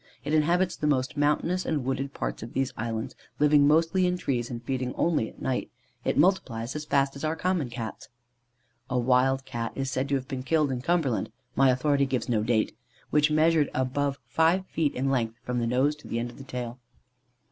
It inhabits the most mountainous and wooded parts of these islands, living mostly in trees and feeding only at night. It multiplies as fast as our common Cats." A wild Cat is said to have been killed in Cumberland (my authority gives no date) which measured above five feet in length from the nose to the end of the tail.